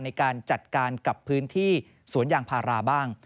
ในการจัดการกับพื้นที่สวนยางพาราบ้าง